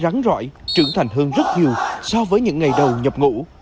rắn ri trưởng thành hơn rất nhiều so với những ngày đầu nhập ngũ